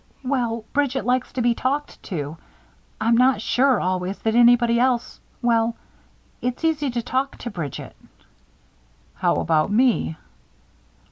"Well, Bridget likes to be talked to. I'm not sure, always, that anybody else well, it's easy to talk to Bridget." "How about me?"